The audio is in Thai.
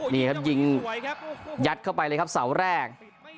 นี่ครับยิงยัดเข้าไปเลยครับเสาแรก